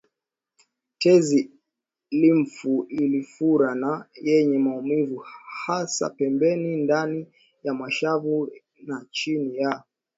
Tezi limfu iliyofura na yenye maumivu hasa pembeni ndani ya mashavu na chini ya